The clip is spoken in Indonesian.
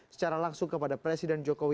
secara langsung kepada presiden jokowi